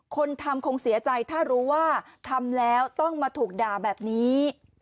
คนทำคงเสียใจถ้ารู้ว่าทำแล้วต้องมาถูกด่าแบบนี้